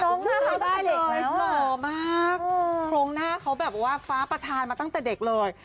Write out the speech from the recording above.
น้องยอร์ดยงศิลป์หรือว่าฟ้าประทานมาตั้งแต่เด็กเลย